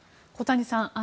小谷さん